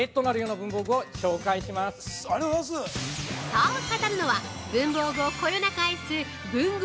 そう語るのは文房具をこよなく愛す文具